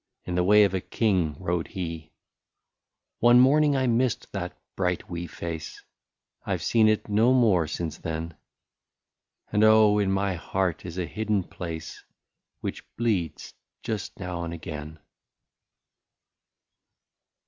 In the way of a King rode he ! One morning I missed that bright wee face, — I Ve seen it no more since then ; And oh ! in my heart is a hidden place. Which bleeds just now and again.